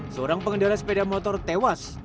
seorang pengendara sepeda motor tewas